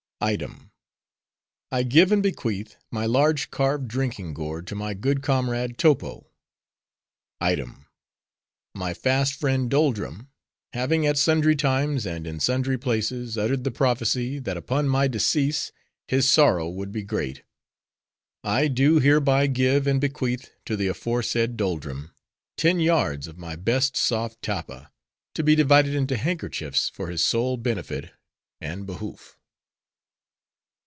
"'Item. I give and bequeath my large carved drinking gourd to my good comrade Topo. "'Item. My fast friend Doldrum having at sundry times, and in sundry places, uttered the prophecy, that upon my decease his sorrow would be great; I do hereby give and bequeath to the aforesaid Doldrum, ten yards of my best soft tappa, to be divided into handkerchiefs for his sole benefit and behoof.